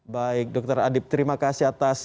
baik dokter adip terima kasih atas